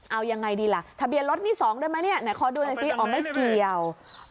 เอายังไงดีล่ะทะเบียนรถนี่๒ได้ไหมเนี่ยไหนขอดูหน่อยสิอ๋อไม่เกี่ยว